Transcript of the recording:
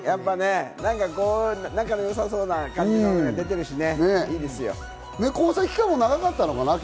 仲のよさそうな感じが出てるしね、交際期間も長かったのかな？